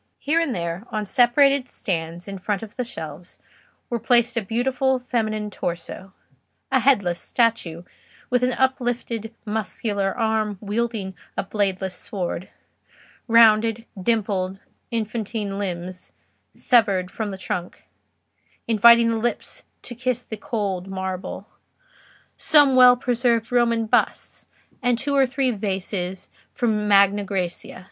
Here and there, on separate stands in front of the shelves, were placed a beautiful feminine torso; a headless statue, with an uplifted muscular arm wielding a bladeless sword; rounded, dimpled, infantine limbs severed from the trunk, inviting the lips to kiss the cold marble; some well preserved Roman busts; and two or three vases from Magna Grecia.